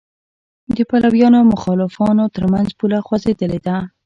د پلویانو او مخالفانو تر منځ پوله خوځېدلې ده.